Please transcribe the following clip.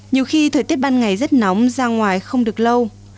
nhiều khi thời tiết ban ngày rất nóng ra ngoài không được lâu